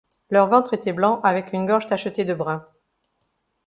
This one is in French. Leur ventre était blanc avec une gorge tachetée de brun.